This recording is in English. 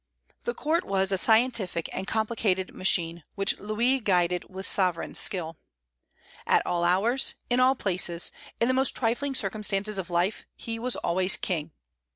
The court was a scientific and complicated machine which Louis guided with sovereign skill. At all hours, in all places, in the most trifling circumstances of life, he was always king.